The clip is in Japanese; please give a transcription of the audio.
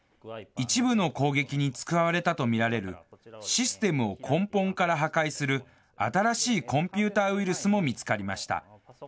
一部の攻撃に使われたと見られる、システムを根本から破壊する、新しいコンピューターウイルスも見つかりました。